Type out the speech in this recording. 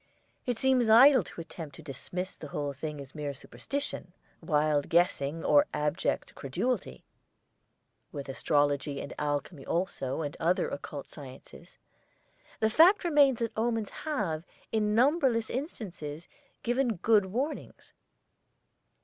It seems idle to attempt to dismiss the whole thing as mere superstition, wild guessing, or abject credulity, as some try to do, with astrology and alchemy also, and other occult sciences; the fact remains that omens have, in numberless instances, given good warnings.